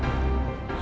di dunia yang kejam